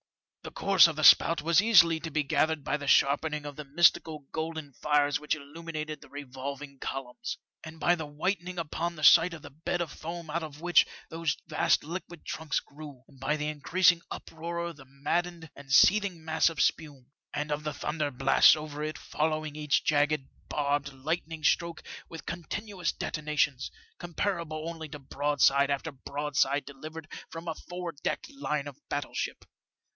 The course of the spout was easily to be gathered by the sharpening of the mystical golden fires which illuminated the revolving columns, and by the whitening upon the sight of the bed of foam out of which those vast liquid trunks grew, and by the increasing uproar of the maddened and seething mass of spume, and of the thunder blasts over it following each jagged, barbed lightning stroke with continuous detonations, comparable only to broadside after broadside delivered from a four decked line of battle ship.